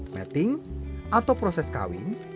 petting atau proses kawin